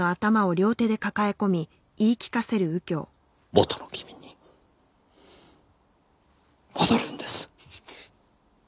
元の君に戻るんです。